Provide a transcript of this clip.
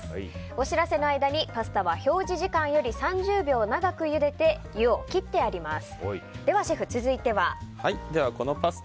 お知らせの間に、パスタは表示時間より３０秒長くゆでて湯を切ってあります。